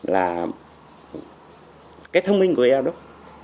là cái thông minh của eo đúc